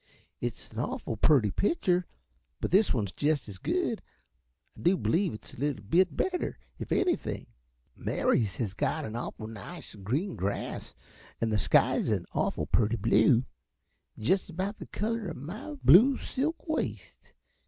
It's an awful purty pitcher, but this one's jest as good. I do b'lieve it's a little bit better, if anything. Mary's has got some awful nice, green grass, an' the sky's an awful purty blue jest about the color uh my blue silk waist.